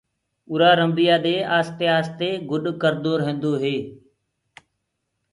اُرآ رنڀيو دي آستي آستي گُڏ ڪردو ريندوئي